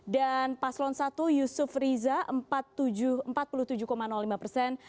dan paslon satu yusuf riza empat puluh tujuh lima persen